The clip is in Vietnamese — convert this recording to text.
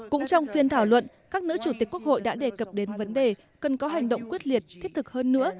cũng trong phiên thảo luận các nữ chủ tịch quốc hội đã đề cập đến vấn đề cần có hành động quyết liệt thiết thực hơn nữa